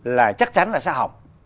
là chắc chắn là xa học